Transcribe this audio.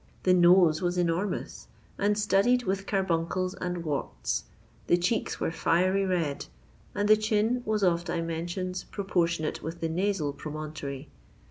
The nose was enormous, and studded with carbuncles and warts: the cheeks were fiery red; and the chin was of dimensions proportionate with the nasal promontory.